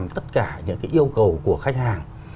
tất cả những yêu cầu của khách hàng